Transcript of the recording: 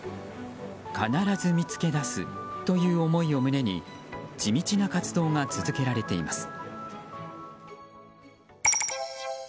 必ず見つけ出すという思いを胸に地道な活動が続けられています。